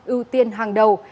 ưu tiên hàng đầu